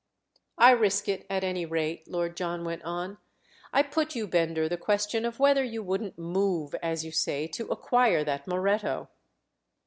"I risk it, at any rate," Lord John went on—"I put you, Bender, the question of whether you wouldn't Move,' as you say, to acquire that Moretto."